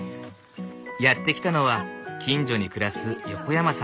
やって来たのは近所に暮らす横山さんと３姉妹。